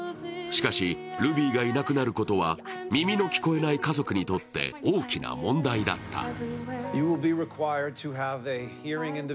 しかし、ルビーがいなくなることは耳の聞こえない家族にとって大きな問題だった。